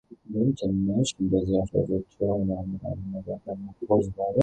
It now houses the Ministry for Sustainable Development, the Environment and Climate Change.